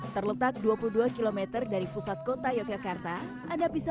terletak dua puluh dua km dari pusat kota yogyakarta anda bisa